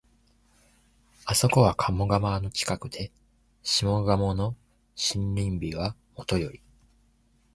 あそこは鴨川の近くで、下鴨の森林美はもとより、